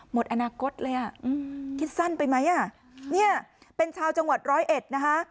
หมดอนาคตเลยอ่ะคิดสั้นไปไหมอ่ะเนี่ยเป็นชาวจังหวัดร้อยเอ็ดนะคะ